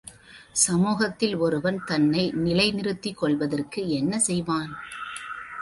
சமூகத்தில் ஒருவன் தன்னை நிலை நிறுத்திக் கொள்வதற்கு என்ன செய்வான்?